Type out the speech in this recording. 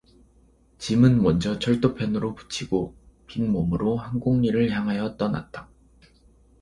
짐은 먼저 철도편으로 부치고 빈몸으로 한곡리를 향하여 떠났다.